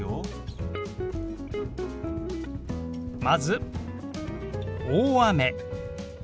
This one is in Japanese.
まず「大雨」。